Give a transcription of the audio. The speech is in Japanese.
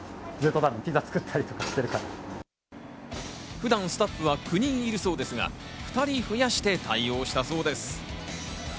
普段スタッフは９人いるそうですが、２人増やして対応したそうです。